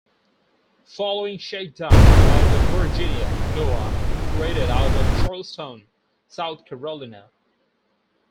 Following shakedown out of Virginia, "Noa" operated out of Charleston, South Carolina.